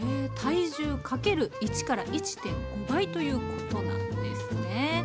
体重×１１．５倍ということなんですね。